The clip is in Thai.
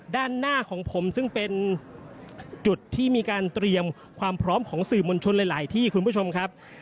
ด้านหน้าของผมซึ่งเป็นจุดที่มีการเตรียมความพร้อมของสื่อมวลชนหลายที่คุณผู้ชมครับ